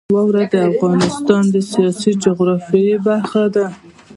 واوره د افغانستان د سیاسي جغرافیه برخه ده.